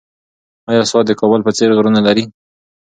ایا سوات د کابل په څېر غرونه لري؟